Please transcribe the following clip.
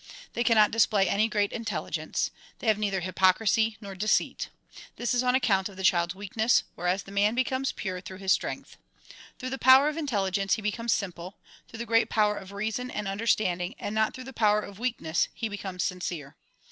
They cannot display any great intelligence. They have neither hypocrisy nor deceit. This is on account of the child's weakness whereas the man becomes pure through his strength. Through the power of intelligence he becomes simple ; through the great power of reason and understand ing and not through the power of weakness, he becomes sincere.